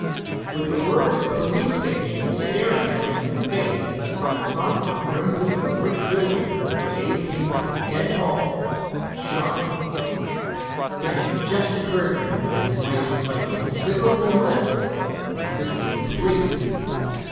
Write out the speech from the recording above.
With the words "Police Station" staring him in the face from the front of a grim looking brick building, Dave came to a dead halt with a shock. It had just occurred to him that he might invite considerable risk by visiting the police.